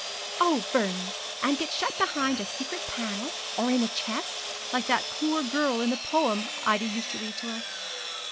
'Oh, Vernie! and get shut behind a secret panel or in a chest, like that poor girl in the poem Ida used to read to us.'